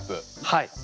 はい。